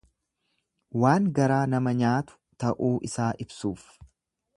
Waan garaa nama nyaatu ta'uu isaa ibsuuf.